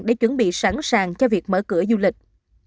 để chuẩn bị sẵn sàng cho việc mở cửa du lịch